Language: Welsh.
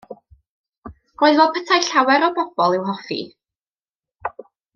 Roedd fel petai llawer o bobl i'w hoffi.